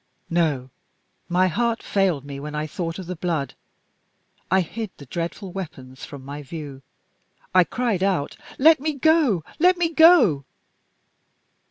No. My heart failed me when I thought of the blood. I hid the dreadful weapons from my view. I cried out: "Let me go! let me go!"